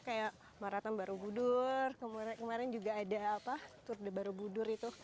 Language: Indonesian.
kayak marathon baru budur kemarin juga ada apa tour de baru budur itu